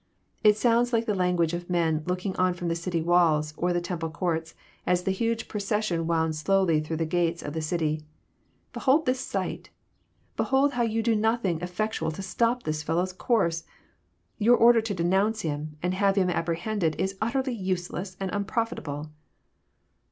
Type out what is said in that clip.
It sounds like the lan guage of men looking on Arom the city walls or the temple courts, as the huge procession wound slowly through the gates of the city. '* Behold this sight I Behold how you do nothing effect ual to stop this fellow*s course I Your order to denounce Him, and have Him apprehended, is utterly useless and unprofit able."